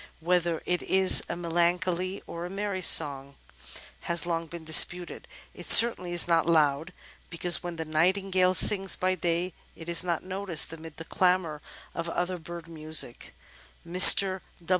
Whether it is a melancholy or a merry song has long been disputed. It certainly is not loud, because when the Nightingale sings by day it is not noticed amid the clamour of other bird music. Mr.